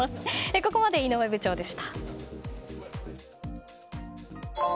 ここまで井上部長でした。